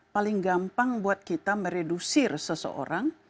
paling gampang buat kita meredusir seseorang